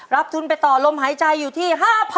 ทุนไปต่อลมหายใจอยู่ที่๕๐๐๐